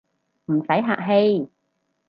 唔使客氣